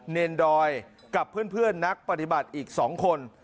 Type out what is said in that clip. เนรดอยกับเพื่อนนักปฏิบัติอีก๒คน